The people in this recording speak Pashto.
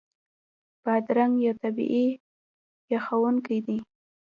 بادرنګ یو طبعي یخونکی دی.